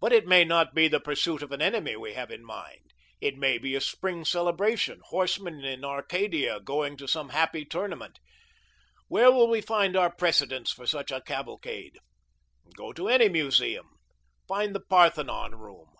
But it may not be the pursuit of an enemy we have in mind. It may be a spring celebration, horsemen in Arcadia, going to some happy tournament. Where will we find our precedents for such a cavalcade? Go to any museum. Find the Parthenon room.